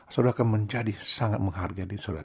saudara akan menjadi sangat menghargai di saudara